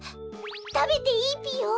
たべていいぴよ？